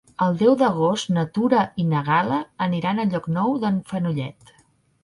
El deu d'agost na Tura i na Gal·la aniran a Llocnou d'en Fenollet.